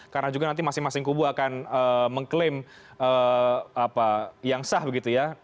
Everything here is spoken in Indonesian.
karena juga nanti masing masing kubu akan mengklaim yang sah begitu ya